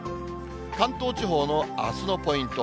関東地方のあすのポイント。